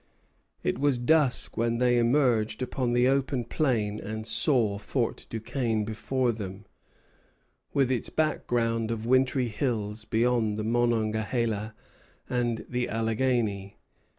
It was dusk when they emerged upon the open plain and saw Fort Duquesne before them, with its background of wintry hills beyond the Monongahela and the Alleghany.